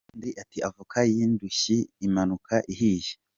Senderi ati “Avoka y’indushyi imanuka ihiye".